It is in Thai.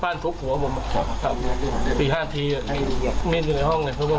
ผมก็แบบผมจะยอมเลยผมจะเงียบแล้ว